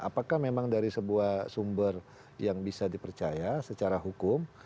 apakah memang dari sebuah sumber yang bisa dipercaya secara hukum